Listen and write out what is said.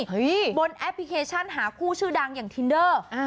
บนแอปพลิเคชันหาคู่ชื่อดังอย่างทินเดอร์